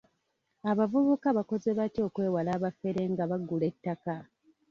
Abavubuka bakoze batya okwewala abafere nga bagula ettaka?